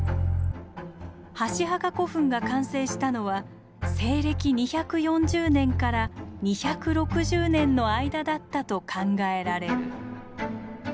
箸墓古墳が完成したのは西暦２４０年から２６０年の間だったと考えられる。